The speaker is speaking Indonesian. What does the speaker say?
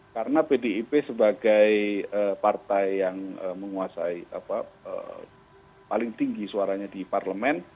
karena pdip sebagai partai yang menguasai paling tinggi suaranya di parlemen